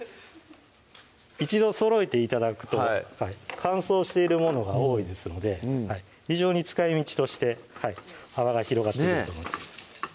一度そろえて頂くと乾燥しているものが多いですので非常に使い道として幅が広がってくると思います